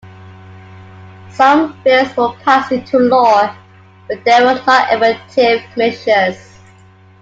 Some bills were passed into law, but they were not effective measures.